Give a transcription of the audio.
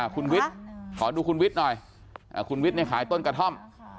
คุณวิทย์ขอดูคุณวิทย์หน่อยคุณวิทย์เนี่ยขายต้นกระท่อม